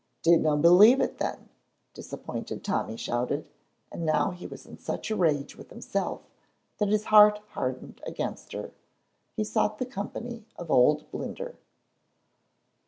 "Dinna believe it, then!" disappointed Tommy shouted, and now he was in such a rage with himself that his heart hardened against her. He sought the company of old Blinder.